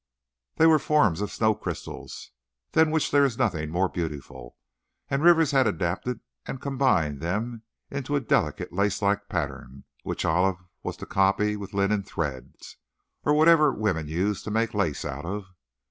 They were forms of snow crystals, than which there is nothing more beautiful, and Rivers had adapted and combined them into a delicate lace like pattern, which Olive was to copy with linen threads, or whatever women use to make lace out of.